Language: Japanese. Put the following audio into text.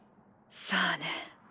さあね。